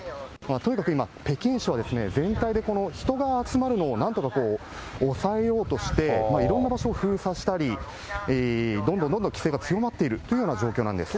とにかく今、北京市は全体でこの人が集まるのをなんとか抑えようとして、いろんな場所を封鎖したり、どんどんどんどん規制が強まっているというような状況なんです。